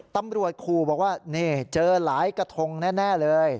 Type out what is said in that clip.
ตำรวจขู่บอกว่านี่เจอหลายกระทงแน่เลย